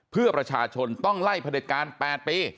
เพื่อประชาชนต้องไล่พระเด็จการ๘ปี